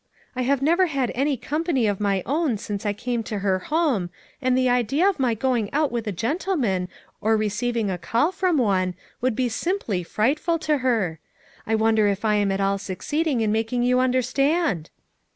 I have never had any company of my own since I came to her home, and the idea of my going out with a gentleman or receiving a call from one would be simply frightful to her. I wonder if I am at all succeeding in making you under stand?"